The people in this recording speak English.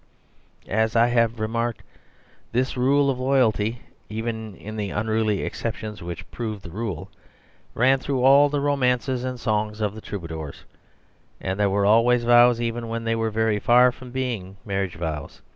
As I have remarked, this rule of loyalty, even in the unruly exceptions which proved the rule, ran through all the romances and songs of the troubadours; and there were always vows even when they were very far from being marriage vows.